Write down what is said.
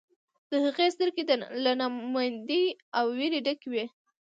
د هغې سترګې له نا امیدۍ او ویرې ډکې وې